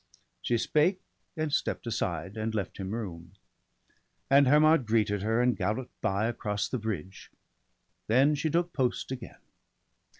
She spake, and stepp'd aside, and left him room. BALDER DEAD. 157 And Hermod greeted her, and gallop'd by Across the bridge; then she took post again.